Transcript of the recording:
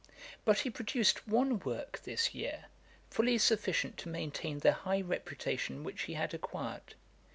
But he produced one work this year, fully sufficient to maintain the high reputation which he had acquired.